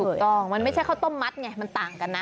ถูกต้องมันไม่ใช่ข้าวต้มมัดไงมันต่างกันนะ